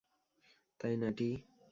তাই না, টি?